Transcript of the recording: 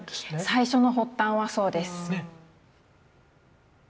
最初の発端はそうです。